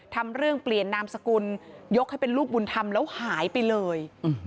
ทำเรื่องเปลี่ยนนามสกุลยกให้เป็นลูกบุญธรรมแล้วหายไปเลย